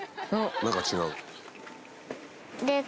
何か違う。